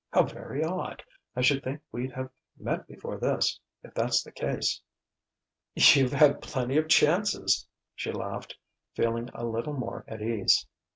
How very odd! I should think we'd have met before this, if that's the case." "You've had plenty of chances," she laughed, feeling a little more at ease.